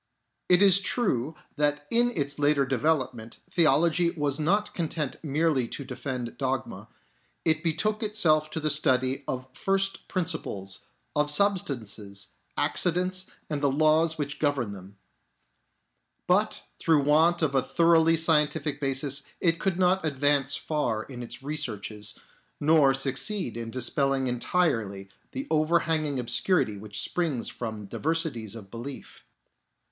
It is true that in its later development theology was not content merely to defend dogma ; it betook itself to the study of first principles, of substances, accidents and the laws which govern them ; but through want of a thoroughly scientific basis, it could not advance far in its researches, nor succeed in dispelling entirely the overhanging obscurity which springs from diversities of belief